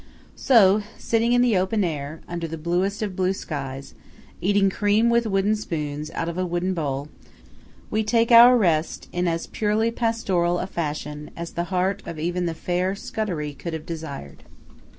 So, sitting in the open air, under the bluest of blue skies, eating cream with wooden spoons out of a wooden bowl, we take our rest in as purely pastoral a fashion as the heart of even the fair Scudery could have desired.